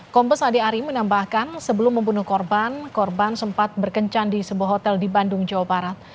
kombes adi ari menambahkan sebelum membunuh korban korban sempat berkencan di sebuah hotel di bandung jawa barat